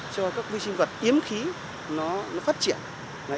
cho các vi sinh vật yếm khí nó phát triển